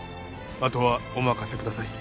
あとはお任せください。